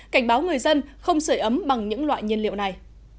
cảnh báo người dân không sửa ấm bằng những loại nhiên liệu này